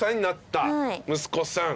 息子さん。